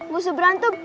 gak usah berantem